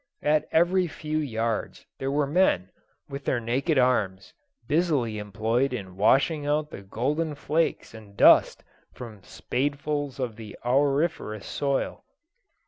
At every few yards there were men, with their naked arms, busily employed in washing out the golden flakes and dust from spadefuls of the auriferous soil.